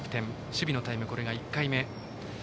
守備のタイム、これが１回目。